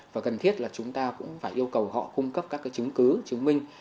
và cần thiết là chúng ta cũng phải yêu cầu họ cung cấp các chứng cứ chứng minh